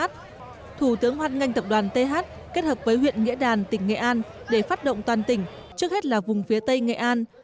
thủ tướng hoan nghênh tập đoàn th kết hợp với huyện nghĩa đàn tỉnh nghệ an để phát động toàn tỉnh trước hết là vùng phía tây nghệ an